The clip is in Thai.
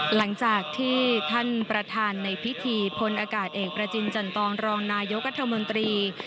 หลังจากที่ท่านประธานในพิธีพลอากาศเอกประจินจันตรองรองนายกรัฐมนตรี